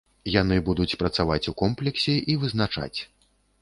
Яны будуць працаваць у комплексе і вызначаць.